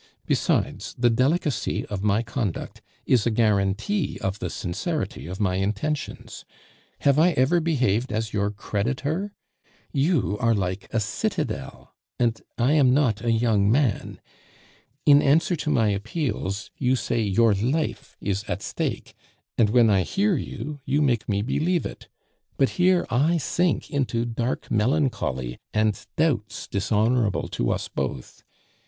Besides, the delicacy of my conduct is a guarantee of the sincerity of my intentions. Have I ever behaved as your creditor? You are like a citadel, and I am not a young man. In answer to my appeals, you say your life is at stake, and when I hear you, you make me believe it; but here I sink into dark melancholy and doubts dishonorable to us both.